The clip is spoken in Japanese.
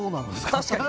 確かに！